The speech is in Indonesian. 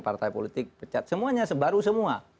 partai politik pecat semuanya baru semua